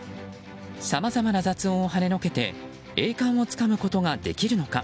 さまざまな雑音をはねのけて栄冠をつかむことができるのか。